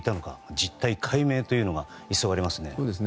実態解明というのが急がれますね。